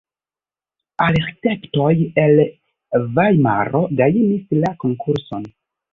Arĥitektoj el Vajmaro gajnis la konkurson.